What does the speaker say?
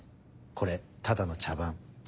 これただの茶番。